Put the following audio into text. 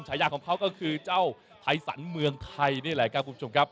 ฉายาของเขาก็คือเจ้าไทยสันเมืองไทยนี่แหละครับคุณผู้ชมครับ